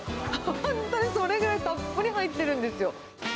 本当にそれぐらいたっぷり入ってるんですよ。